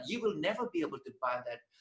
anda tidak akan dapat menemukan itu